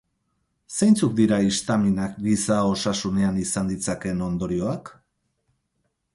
Zeintzuk dira histaminak giza osasunean izan ditzakeen ondorioak?